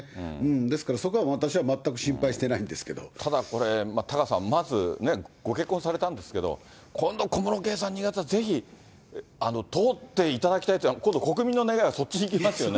ですから、そこは私は全く心配しただこれ、タカさん、まずご結婚されたんですけど、今度、小室圭さん、２月はぜひ、通っていただきたいっていうのは、今度、国民の願いはそっちに行きますよね。